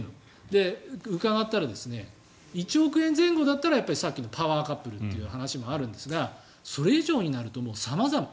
で、伺ったら１億円前後だったらやっぱりさっきのパワーカップルという話もあるんですがそれ以上になると様々。